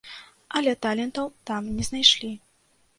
Але талентаў там не знайшлі.